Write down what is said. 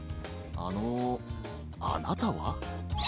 あのあなたは？